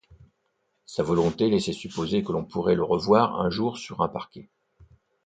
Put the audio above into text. Sa volonté laissait supposer que l’on pourrait le revoir un jour sur un parquet.